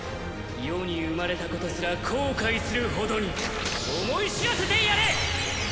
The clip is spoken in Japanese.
世に生まれたことすら後悔するほどに思い知らせてやれ！